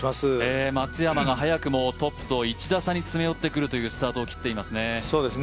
松山が早くもトップと１打差に詰め寄ってくるというスタートを切っていますね。